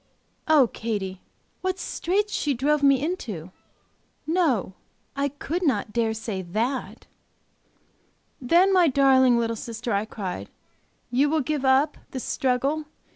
Oh, Katy, what straits she drove me into! No, I could not dare to say that!" "Then, my darling little sister" I cried, "you will give up this struggle?